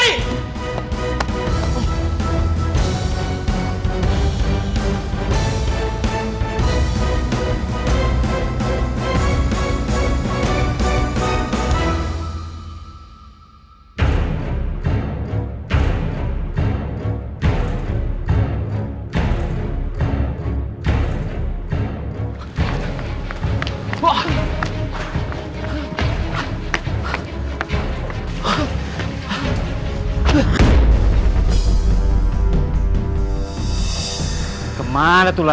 dia bakalan jatuh